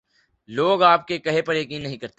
لو گ آپ کے کہے پہ یقین نہیں کرتے۔